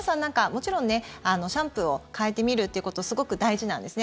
もちろんシャンプーを変えてみるっていうことすごく大事なんですね。